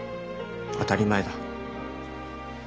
当たり前だ。